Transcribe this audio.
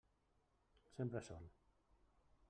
Sempre sol.